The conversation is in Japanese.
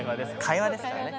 会話ですからね。